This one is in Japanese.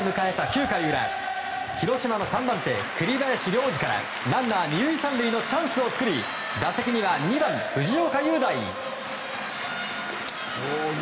９回裏広島の３番手、栗林良吏からランナー２塁３塁のチャンスを作り打席には２番、藤岡裕大。